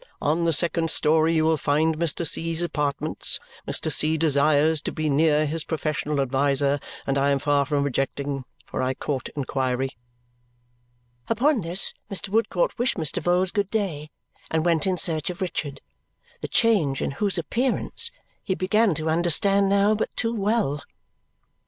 On the second story you will find Mr. C.'s apartments. Mr. C. desires to be near his professional adviser, and I am far from objecting, for I court inquiry." Upon this Mr. Woodcourt wished Mr. Vholes good day and went in search of Richard, the change in whose appearance he began to understand now but too well.